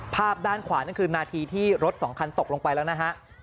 ภาพด้านขวานั่นคือนาทีที่รถสองคันตกลงไปแล้วนะฮะ